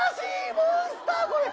モンスターこれ。